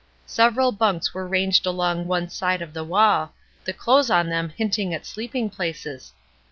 Several bunks were ranged along one side of the wall, the clothes on them hinting at sleeping places.